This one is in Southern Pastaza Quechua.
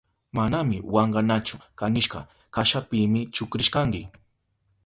Manami wankanachu kanishka kashapimi chukrishkanki.